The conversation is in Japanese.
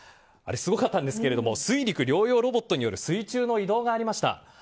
すごかったんですが水陸両用ロボットによる水中の移動がありました。